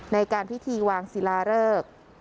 ในการพิธีวางศิลาเริก